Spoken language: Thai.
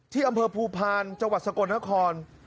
ที่อำเภอภูพาลจังหวัดสกลนคร